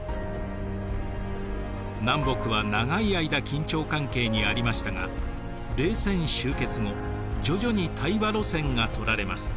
南北は長い間緊張関係にありましたが冷戦終結後徐々に対話路線がとられます。